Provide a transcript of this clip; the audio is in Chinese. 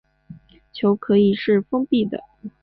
球可以是封闭的。